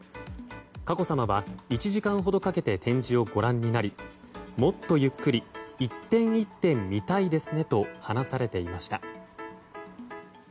佳子さまは、１時間ほどかけて展示をご覧になりもっとゆっくり１点１点見たいですねと話されていました。